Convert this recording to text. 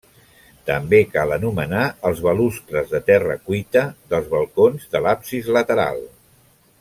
També cal anomenar els balustres de terra cuita dels balcons de l'absis lateral.